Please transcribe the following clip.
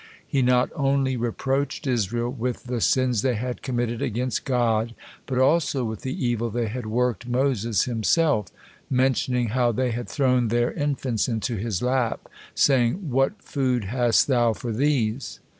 He not only reproached Israel with the sins they had committed against God, but also with the evil they had worked Moses himself, mentioning how they had thrown their infants into his lap, saying, "What food hast thou for these?"